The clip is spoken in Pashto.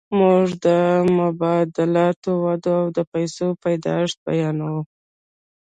موږ د مبادلاتو وده او د پیسو پیدایښت بیانوو